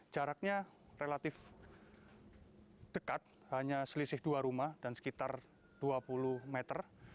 jaraknya relatif dekat hanya selisih dua rumah dan sekitar dua puluh meter